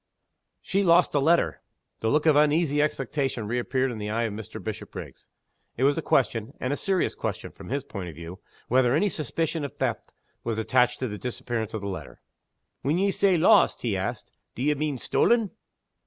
"She lost a letter." The look of uneasy expectation reappeared in the eye of Mr. Bishopriggs. It was a question and a serious question, from his point of view whether any suspicion of theft was attached to the disappearance of the letter. "When ye say 'lost,'" he asked, "d'ye mean stolen?"